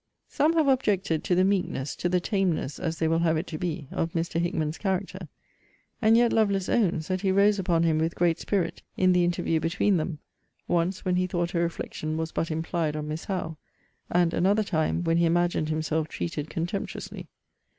Some have objected to the meekness, to the tameness, as they will have it to be, of Mr. Hickman's character. And yet Lovelace owns, that he rose upon him with great spirit in the interview between them; once, when he thought a reflection was but implied on Miss Howe;* and another time, when he imagined himself treated contemptuously.